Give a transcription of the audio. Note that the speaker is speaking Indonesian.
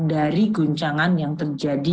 dari guncangan yang terjadi